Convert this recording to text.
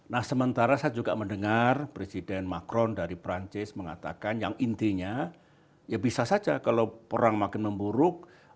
nah sementara saya juga mendengar presiden macron dari perancis mengatakan yang intinya ya bisa saja kalau perang makin memburuk